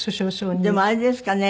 でもあれですかね？